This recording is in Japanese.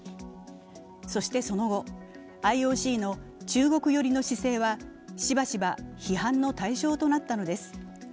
そして、その後、ＩＯＣの中国寄りの姿勢はしばしば批判の対象となったのです。